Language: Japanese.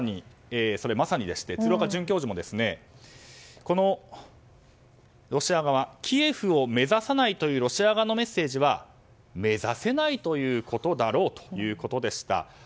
それ、まさにでして鶴岡准教授もキエフを目指さないというロシア側のメッセージは目指せないということだろうということでした。